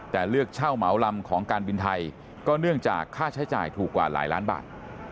แต่เลือกเช่าเหมาลำของการบินไทยก็เนื่องจากค่าใช้จ่ายถูกกว่าหลายล้านบาท